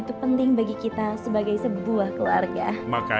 terima kasih pak